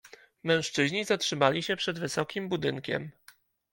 "Mężczyźni zatrzymali się przed wysokim budynkiem."